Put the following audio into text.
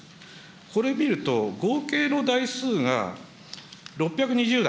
これ見ると、合計の台数が６２０台。